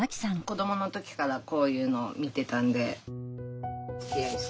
子どもの時からこういうのを見てたんで。